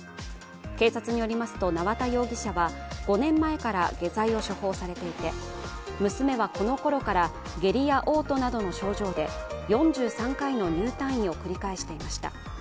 警察によりますと縄田容疑者は５年前から下剤を処方されていて、娘はこのころから下痢やおう吐などの症状で４３回の入退院を繰り返していました。